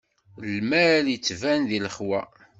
Lmal ittban di lexwa.